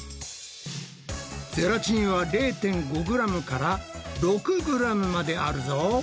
ゼラチンは０．５ｇから６ｇまであるぞ。